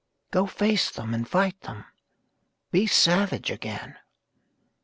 Go face them and fight them, Be savage again.